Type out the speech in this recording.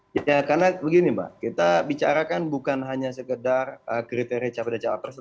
ya karena begini mbak kita bicarakan bukan hanya sekedar kriteria capa capa persen